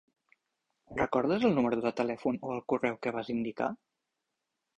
Recordes el número de telèfon o el correu que vas indicar?